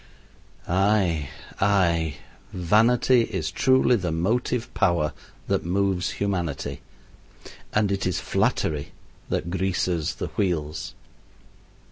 Ay, ay, vanity is truly the motive power that moves humanity, and it is flattery that greases the wheels.